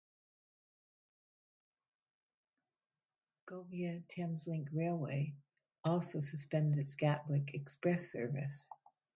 Govia Thameslink Railway also suspended its Gatwick Express service.